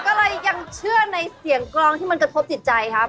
ก็เลยยังเชื่อในเสียงกรองที่มันกระทบจิตใจครับ